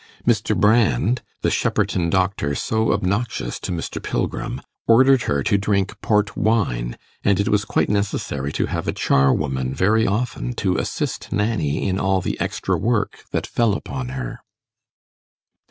Mr. Brand, the Shepperton doctor so obnoxious to Mr. Pilgrim, ordered her to drink port wine, and it was quite necessary to have a charwoman very often, to assist Nanny in all the extra work that fell upon her.